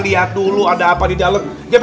lihat dulu ada apa di dalam dia